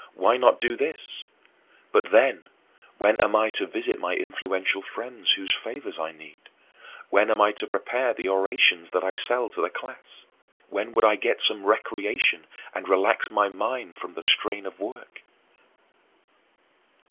Why not do this? But, then, when am I to visit my influential friends, whose favors I need? When am I to prepare the orations that I sell to the class? When would I get some recreation and relax my mind from the strain of work?